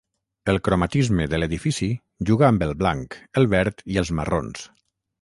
El cromatisme de l'edifici juga amb el blanc, el verd i els marrons.